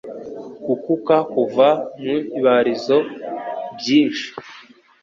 Gukuka Kuva mu ibarizo byinshi